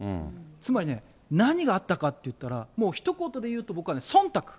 つまりね、何があったかっていったら、もうひと言で言うと、僕はね、そんたく。